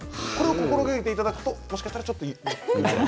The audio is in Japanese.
心がけていただくともしかしたらちょっと。